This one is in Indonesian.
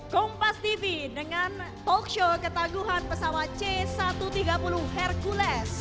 kompas tv dengan talkshow ketangguhan pesawat c satu ratus tiga puluh hercules